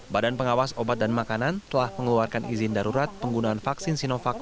badan pengawas obat dan makanan telah mengeluarkan izin darurat penggunaan vaksin sinovac